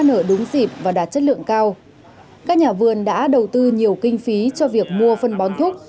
nở đúng dịp và đạt chất lượng cao các nhà vườn đã đầu tư nhiều kinh phí cho việc mua phân bón thuốc